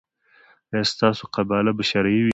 ایا ستاسو قباله به شرعي وي؟